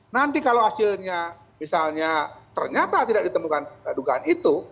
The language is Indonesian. nanti kalau hasilnya misalnya ternyata tidak ditemukan dugaan itu